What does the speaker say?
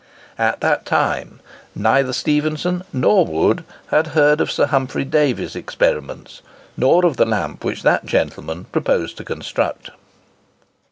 At that time neither Stephenson nor Wood had heard of Sir Humphry Davy's experiments nor of the lamp which that gentleman proposed to construct.